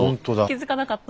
気付かなかった。